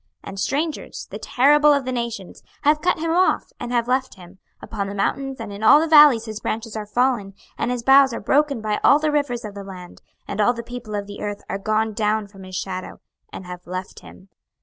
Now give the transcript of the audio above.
26:031:012 And strangers, the terrible of the nations, have cut him off, and have left him: upon the mountains and in all the valleys his branches are fallen, and his boughs are broken by all the rivers of the land; and all the people of the earth are gone down from his shadow, and have left him.